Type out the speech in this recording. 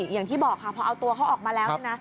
อย่างที่บอกค่ะพอเอาตัวเขาออกมาแล้วเนี่ยนะ